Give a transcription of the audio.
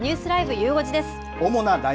ゆう５時です。